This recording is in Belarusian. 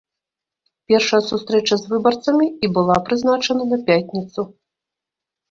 Першая сустрэча з выбарцамі і была прызначана на пятніцу.